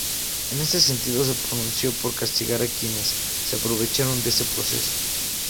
En este sentido se pronunció por castigar a quienes se aprovecharon de este proceso.